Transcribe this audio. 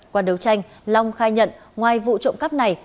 qua đấu tranh long khai nhận ngoài vụ trộm cắp này